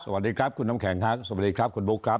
สวัสดีครับคุณน้ำแข็งครับสวัสดีครับคุณบุ๊คครับ